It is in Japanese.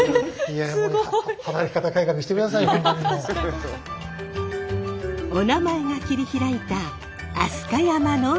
すごい！おなまえが切り開いた飛鳥山のにぎわい。